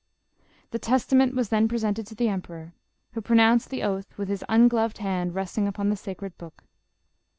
The Tes tament was then presented to the emperor, who pro nounced the oath, with his ungloved hand resting upon the sacred book.